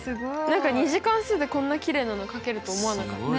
何か２次関数でこんなきれいなのかけると思わなかった。